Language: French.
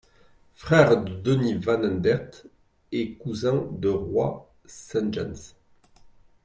Frère de Dennis Vanendert et cousin de Roy Sentjens.